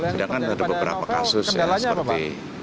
sedangkan ada beberapa kasus ya seperti